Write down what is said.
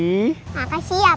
makasih ya pak